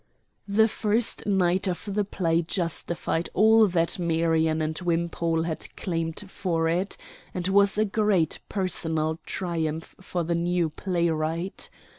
The first night of the play justified all that Marion and Wimpole had claimed for it, and was a great personal triumph for the new playwright.